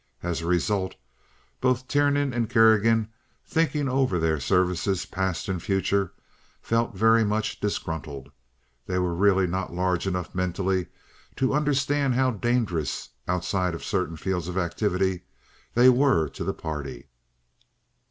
As a result both Tiernan and Kerrigan, thinking over their services, past and future, felt very much disgruntled. They were really not large enough mentally to understand how dangerous—outside of certain fields of activity—they were to the party.